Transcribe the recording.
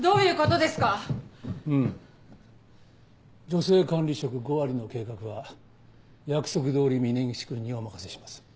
女性管理職５割の計画は約束通り峰岸君にお任せします。